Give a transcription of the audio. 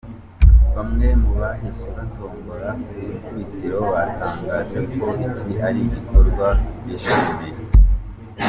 Bamwe mu bahise batombora ku ikubitiro batangaje ko iki ari igikorwa bishimiye.